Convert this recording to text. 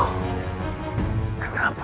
kau masih saja tidak berubah